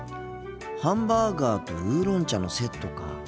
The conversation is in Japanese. ハンバーガーとウーロン茶のセットか。